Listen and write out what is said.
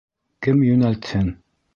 Кем йүнәтһен?